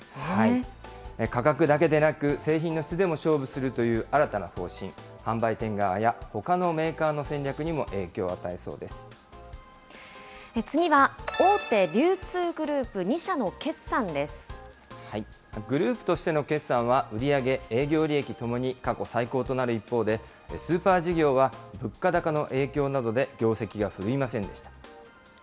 価格だけでなく、製品の質でも勝負するという新たな方針、販売店側やほかのメーカーの戦略に次は大手流通グループ２社のグループとしての決算は売り上げ、営業利益ともに過去最高となる一方で、スーパー事業は、物価高の影響などで業績が振るいませんでした。